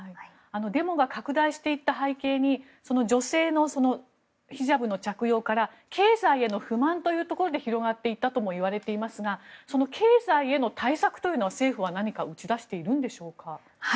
デモが拡大していった背景に女性のヒジャブの着用から経済への不満というところで広がっていったともいわれていますがその経済への対策というのは政府は何か打ち出しているんでしょうか。